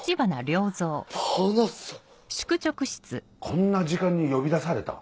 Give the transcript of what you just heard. ・こんな時間に呼び出された？